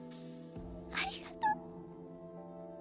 ありがとう